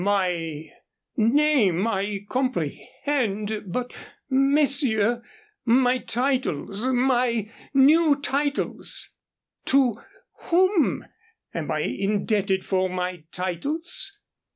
"My name I comprehend, but, messieurs, my titles my new titles! To whom am I indebted for my titles?